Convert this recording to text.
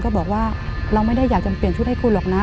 บอกว่าเราไม่ได้อยากจะเปลี่ยนชุดให้คุณหรอกนะ